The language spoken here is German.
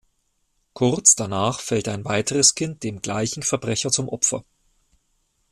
Kurz danach fällt ein weiteres Kind dem gleichen Verbrecher zum Opfer.